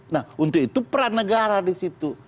nah untuk itu peran negara disitu